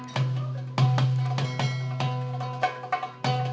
cam jatuh aja